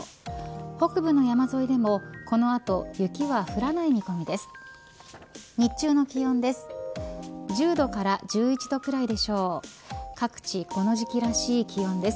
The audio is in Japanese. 北部の山沿いでも、この後雪は降らない見込みです。